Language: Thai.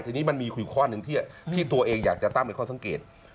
ทีนี้มันมีอยู่ข้อหนึ่งที่ตัวเองอยากจะตั้งเป็นข้อสังเกต